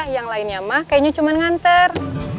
yang lainnya mah kayaknya cuma nganter